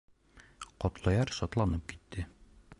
Ҡотлояр шатланып китте.